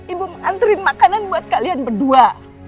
ibu nganterin makanan buat kalian berdua